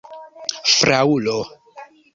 fraŭlo